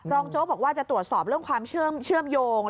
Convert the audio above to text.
โจ๊กบอกว่าจะตรวจสอบเรื่องความเชื่อมโยง